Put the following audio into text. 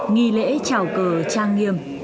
nghi lễ trào cờ trang nghiêm